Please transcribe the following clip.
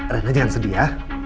rena jangan sedih ya